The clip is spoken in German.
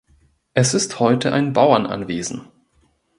Es ist heute ein Bauernanwesen.